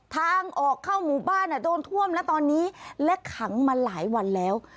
ทางออกเข้าหมู่บ้านโดนท่วมแล้วตอนนี้และขังมาหลายวันแล้ว